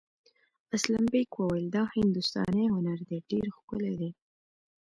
اسلم بېگ وویل دا هندوستاني هنر دی ډېر ښکلی دی.